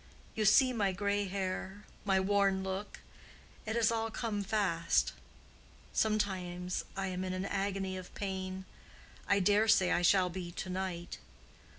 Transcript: You see my gray hair, my worn look: it has all come fast. Sometimes I am in an agony of pain—I dare say I shall be to night.